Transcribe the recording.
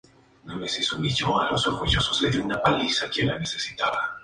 Posee hojas alargadas, delgadas, similares a las que poseen las gramíneas.